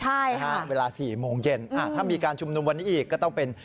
ใช่นะฮะเวลาสี่โมงเย็นอ่าถ้ามีการชุมนุมวันนี้อีกก็ต้องเป็น